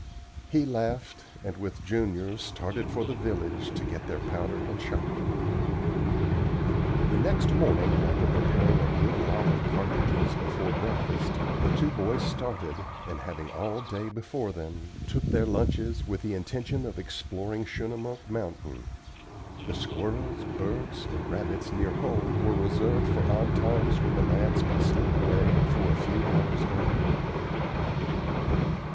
He laughed and, with Junior, started for the village, to get their powder and shot. The next morning after preparing a good lot of cartridges before breakfast, the two boys started, and, having all day before them, took their lunches with the intention of exploring Schunemunk Mountain. The squirrels, birds, and rabbits near home were reserved for odd times when the lads could slip away for a few hours only.